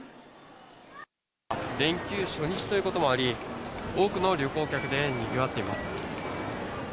連休初日ということもあり、多くの旅行客でにぎわっています。